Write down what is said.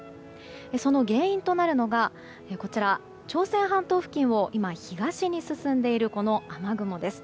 その原因となるのが朝鮮半島付近を今、東に進んでいる雨雲です。